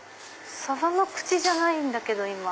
サバの口じゃないんだけど今。